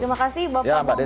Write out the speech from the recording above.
terima kasih bapak bapak